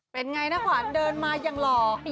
เป็นไงนะขวานเดินมายังรอ